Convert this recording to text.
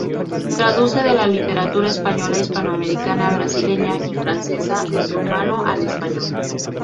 Traduce de la literatura española, hispanoamericana, brasileña, y francesa y del rumano al español.